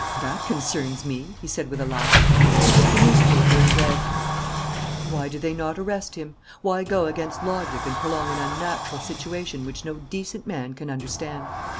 '" "That concerns me," he said, with a laugh. He took the newspaper and read: "Why do they not arrest him? Why go against logic and prolong an unnatural situation which no decent man can understand?